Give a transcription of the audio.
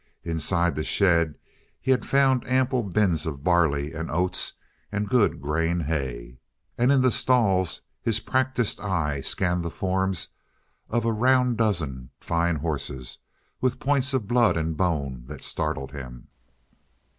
Inside the shed he had found ample bins of barley and oats and good grain hay. And in the stalls his practiced eye scanned the forms of a round dozen fine horses with points of blood and bone that startled him.